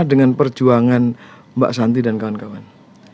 dengan perjuangan mbak santi dan kawan kawan